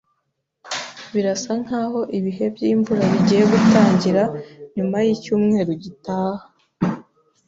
Birasa nkaho ibihe by'imvura bigiye gutangira nyuma yicyumweru gitaha.